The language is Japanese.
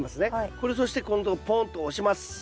これそしてここのとこポンと押します。